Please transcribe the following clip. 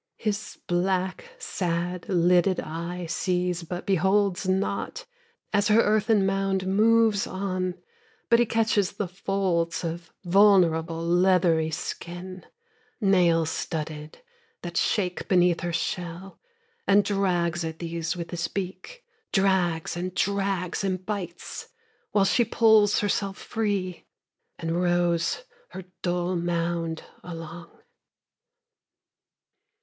His black, sad lidded eye sees but beholds not As her earthen mound moves on, But he catches the folds of vulnerable, leathery skin, Nail studded, that shake beneath her shell, And drags at these with his beak, Drags and drags and bites, While she pulls herself free, and rows her dull mound along.